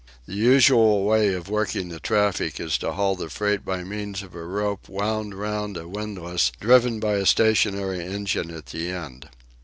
The usual way of working the traffic is to haul the freight by means of a rope wound round a windlass driven by a stationary engine at the end.